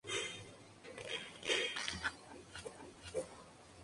Turf está de regreso.